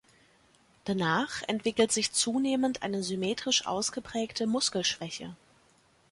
Danach entwickelt sich zunehmend eine symmetrisch ausgeprägte Muskelschwäche.